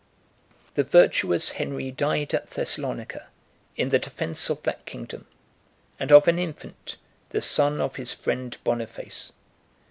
] The virtuous Henry died at Thessalonica, in the defence of that kingdom, and of an infant, the son of his friend Boniface.